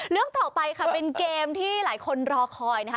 เรื่องต่อไปค่ะเป็นเกมที่หลายคนรอคอยนะคะ